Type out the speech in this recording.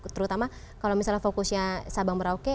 terutama kalau misalnya fokusnya sabang merauke